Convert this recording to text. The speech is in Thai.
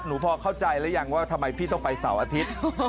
พอเข้าใจหรือยังว่าทำไมพี่ต้องไปเสาร์อาทิตย์